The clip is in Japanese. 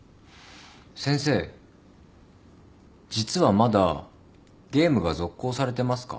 先生実はまだゲームが続行されてますか？